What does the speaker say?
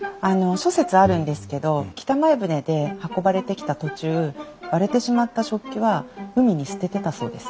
諸説あるんですけど北前船で運ばれてきた途中割れてしまった食器は海に捨ててたそうです。